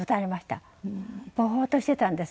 ぼーっとしてたんです。